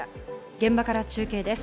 現場から中継です。